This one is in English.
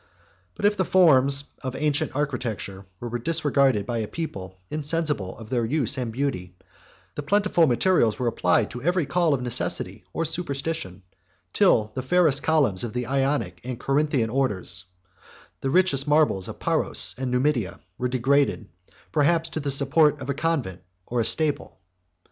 But if the forms of ancient architecture were disregarded by a people insensible of their use and beauty, the plentiful materials were applied to every call of necessity or superstition; till the fairest columns of the Ionic and Corinthian orders, the richest marbles of Paros and Numidia, were degraded, perhaps to the support of a convent or a stable.